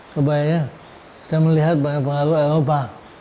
kebaya saya melihat banyak pengaruh eropa